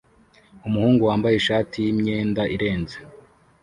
Umuhungu wambaye ishati yimyenda irenze